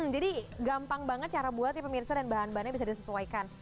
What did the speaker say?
jadi gampang banget cara buat ya pemirsa dan bahan bahannya bisa disesuaikan